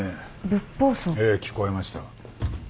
ええ聞こえました。